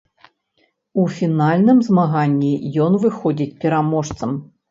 У фінальным змаганні ён выходзіць пераможцам.